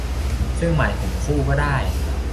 ซึ่งหมายถึงคู่ก็ได้